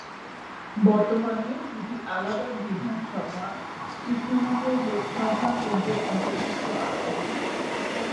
বর্তমানে দুটি আলাদা বিধানসভা কৃষ্ণনগর লোকসভা কেন্দ্রের অন্তর্ভুক্ত আছে।